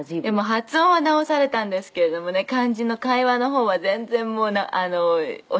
発音は直されたんですけれどもね肝心の会話の方は全然教えてくれなくてね。